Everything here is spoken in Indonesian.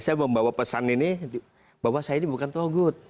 saya membawa pesan ini bahwa saya ini bukan togut